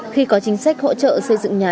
khi có chính sách hỗ trợ xây dựng nhà